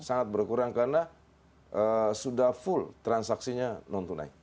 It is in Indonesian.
sangat berkurang karena sudah full transaksinya non tunai